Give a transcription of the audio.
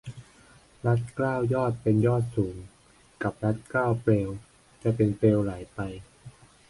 รัดเกล้ายอดเป็นยอดสูง กับรัดเกล้าเปลว จะเป็นเปลวไหลไป